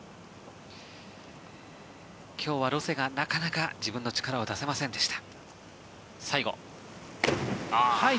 今日はロセがなかなか自分の力を出せませんでした。